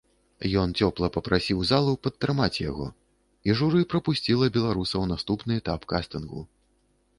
Ён цёпла папрасіў залу падтрымаць яго, і журы прапусціла беларуса ў наступны этап кастынгу.